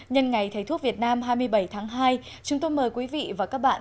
nhân ngày thầy thuốc việt nam hai mươi bảy tháng hai chúng tôi mời quý vị và các bạn